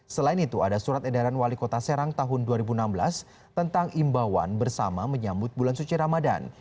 selain itu ada surat edaran wali kota serang tahun dua ribu enam belas tentang imbauan bersama menyambut bulan suci ramadan